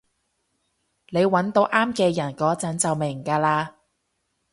你搵到啱嘅人嗰陣就明㗎喇